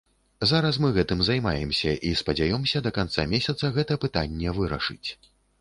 Зараз мы гэтым займаемся і спадзяёмся да канца месяца гэта пытанне вырашыць.